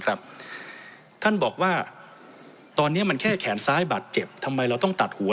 ท่านบอกว่าตอนนี้มันแค่แขนซ้ายบาดเจ็บทำไมเราต้องตัดหัว